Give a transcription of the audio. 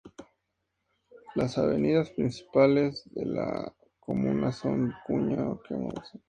Las avenidas principales de la comuna son Vicuña Mackenna y Miraflores de las Mercedes.